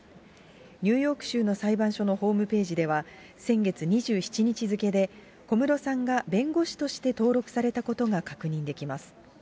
ニューヨーク州の裁判所のホームページでは、先月２７日付で、小室さんが弁護士として登録されたことが確認できます。